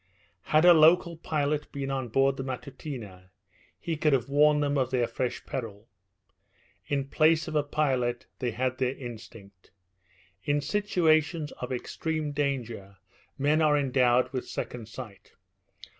Had a local pilot been on board the Matutina, he could have warned them of their fresh peril. In place of a pilot, they had their instinct. In situations of extreme danger men are endowed with second sight.